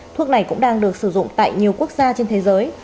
thuốc này cũng đang được sử dụng tại nhiều quốc gia trên thế giới